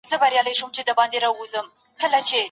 خپلواکي د زده کوونکي تصمیم نیونه پیاوړي کوي.